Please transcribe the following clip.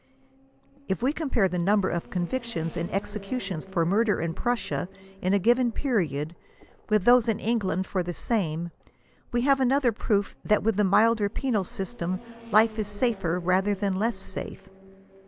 If we compare the number of convictions and executions for murder in Prussia, in a given period, with those in England for the same, we have another proof that with the milder penal system life is safer rather than less safe.